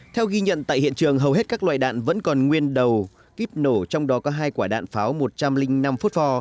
theo ghi nhận tại hiện trường hầu hết các loại đạn vẫn còn nguyên đầu kíp nổ trong đó có hai quả đạn pháo một trăm linh năm phút vò